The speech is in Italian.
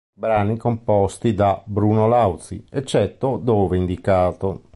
Brani composti da Bruno Lauzi, eccetto dove indicato